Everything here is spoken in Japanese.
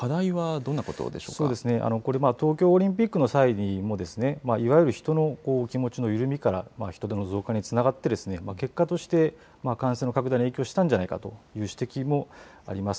そうですね、これ、東京オリンピックの際にも、いわゆる人の気持ちの緩みから、人出の増加につながってですね、結果として感染の拡大に影響したんじゃないかという指摘もあります。